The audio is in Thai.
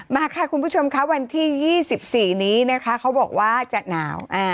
มาค่ะคุณผู้ชมค่ะวันที่๒๔นี้นะคะเขาบอกว่าจะหนาว